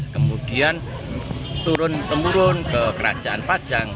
kemudian turun temurun ke kerajaan pajang